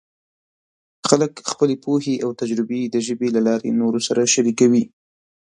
خلک خپلې پوهې او تجربې د ژبې له لارې نورو سره شریکوي.